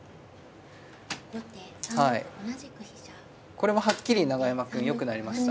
これもはっきり永山くんよくなりました。